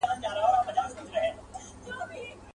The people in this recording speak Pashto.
کومه ورځ به پر دې قوم باندي رڼا سي.